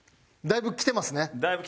だいぶきてますね。